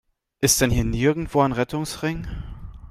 Ist hier denn nirgendwo ein Rettungsring?